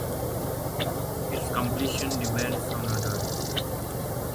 Its completion depended on others.